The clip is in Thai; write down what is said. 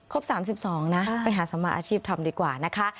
ครบ๓๒นะไปหาสมาชิบทำดีกว่านะคะ